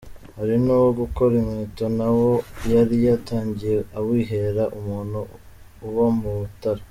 Hari n’uwo gukora inkweto na wo yari yatangiye awihera umuntu uba mu Mutara.